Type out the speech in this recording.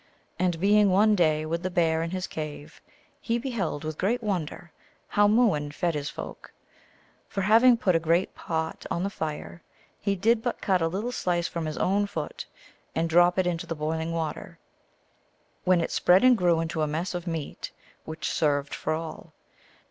And being one day with the Bear in his cave, he beheld with great wonder how Mooin fed his folk. For, having put a great pot on the fire, he did but cut a little slice from his own foot and drop it into the boiling water, when it spread and grew into a mess of meat which served for all.